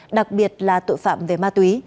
đặc biệt là tội phạm về ma túy